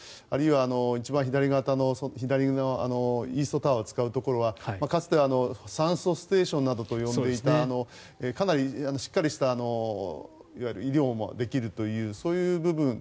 あるいは一番左のイーストタワーを使うところはかつては酸素ステーションなどと呼んでいたかなりしっかりした医療もできるというそういう部分。